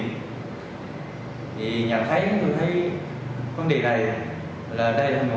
thì nhận thấy tôi thấy vấn đề này là đây là một hành vi vi phẩm bất lực